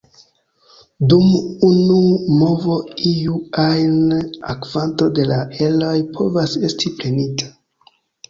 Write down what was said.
Dum unu movo iu ajn kvanto de la eroj povas esti prenita.